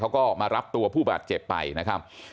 เขาก็มารับตัวผู้บาดเจ็บไปนะครับ